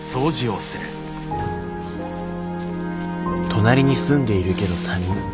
隣に住んでいるけど他人。